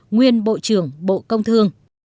nguyên bộ trưởng bộ công thương